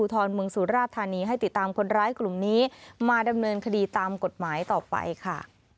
ทรเมืองสุราธานีให้ติดตามคนร้ายกลุ่มนี้มาดำเนินคดีตามกฎหมายต่อไปค่ะ